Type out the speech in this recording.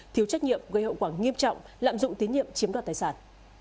thiếu trách nhiệm gây hậu quả nghiêm trọng lạm dụng tín nhiệm chiếm đoạt tài sản